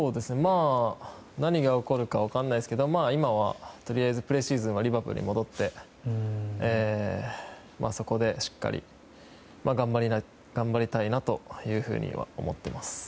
何が起こるか分からないですけど今はとりあえずプレシーズンはリヴァプールに戻ってそこでしっかり頑張りたいなというふうには思っています。